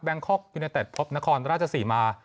แบงคกยูเนอเดตพบนครราชศรีมาร์